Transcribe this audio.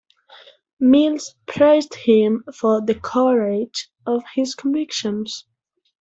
Mills praised him for "the courage of his convictions".